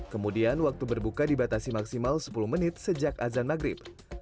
kemudian waktu berbuka dibatasi maksimal sepuluh menit sejak azan maghrib